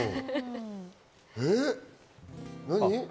えっ、何？